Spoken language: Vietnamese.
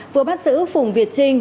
vừa bắt giữ phùng việt trinh